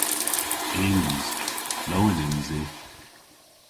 Yns. Lowen yns i.